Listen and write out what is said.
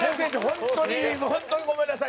本当に本当にごめんなさい。